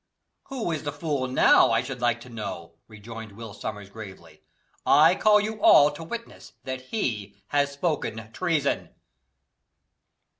"Who is the fool now, I should like to know?" rejoined Will Sommers gravely. "I call you all to witness that he has spoken treason."